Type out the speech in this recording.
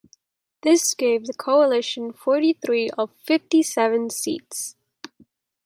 This gave the coalition forty-three of fifty-seven seats.